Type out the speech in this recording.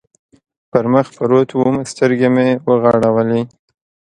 پر مخ پروت ووم، سترګې مې و غړولې.